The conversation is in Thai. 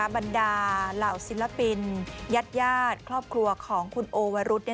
บรรดาเหล่าศิลปินญาติครอบครัวของคุณโอวรุธ